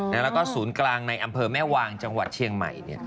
แล้วก็ศูนย์กลางในอำเภอแม่วางจังหวัดเชียงใหม่